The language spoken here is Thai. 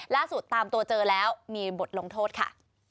ตามตัวเจอแล้วมีบทลงโทษค่ะ